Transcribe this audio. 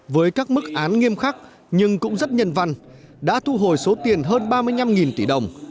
với các mức án nghiêm khắc nhưng cũng rất nhân văn đã thu hồi số tiền hơn ba mươi năm tỷ đồng